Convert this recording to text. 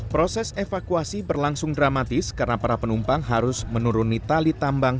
proses evakuasi berlangsung dramatis karena para penumpang harus menuruni tali tambang